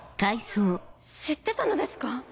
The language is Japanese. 知ってたのですか